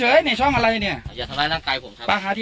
ให้ผมทื้อหน่อยดิเป็นอะไรไม่เป็นไรไม่เป็นไรไม่เป็นไร